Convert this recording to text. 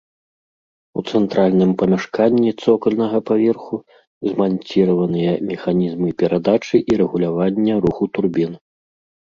У цэнтральным памяшканні цокальнага паверху зманціраваныя механізмы перадачы і рэгулявання руху турбін.